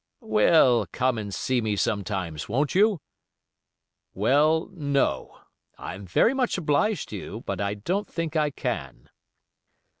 "Well, come and see me sometimes, won't you?" "Well, no, I'm very much obliged to you; but I don't think I can."